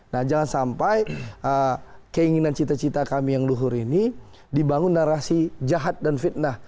nah jangan sampai keinginan cita cita kami yang luhur ini dibangun narasi jahat dan fitnah